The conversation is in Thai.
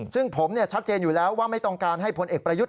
ซึ่งผมชัดเจนอยู่แล้วว่าไม่ต้องการให้พลเอกประยุทธ์